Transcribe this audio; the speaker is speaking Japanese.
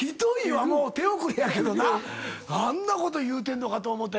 あんなこと言うてんのかと思て。